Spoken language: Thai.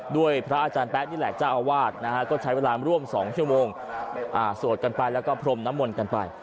พระอาจารย์แป๊ะนี่แหละเจ้าอาวาสนะฮะก็ใช้เวลาร่วม๒ชั่วโมงสวดกันไปแล้วก็พรมน้ำมนต์กันไป